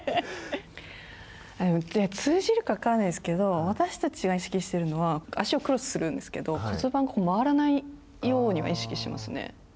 通じるか分からないですけど私たちが意識してるのは足をクロスするんですけど骨盤が回らないようには意識しますね。